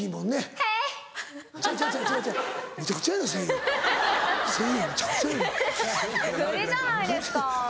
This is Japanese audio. ふりじゃないですか。